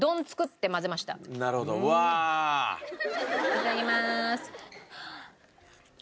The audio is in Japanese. いただきまーす。